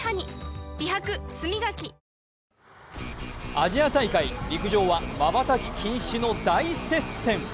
アジア大会、陸上はまばたき禁止の大接戦。